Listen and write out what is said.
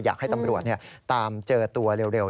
อยากให้ตำรวจตามเจอตัวเร็ว